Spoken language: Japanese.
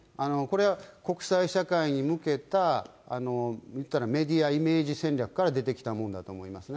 これは、国際社会に向けた言ったらメディアイメージ戦略から出てきたものなんですね。